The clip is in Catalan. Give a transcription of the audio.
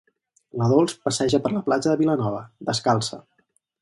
La Dols passeja per la platja de Vilanova, descalça.